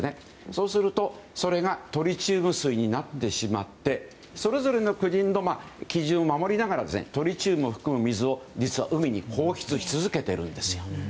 そうすると、それがトリチウム水になってしまってそれぞれの国の基準を守りながらトリチウムを含む水を、実は海に放出し続けているんですよ。